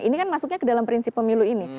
ini kan masuknya ke dalam prinsip pemilu ini